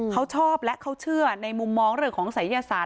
เขาชอบและเขาเชื่อในมุมมองเรื่องของศัยยศาสต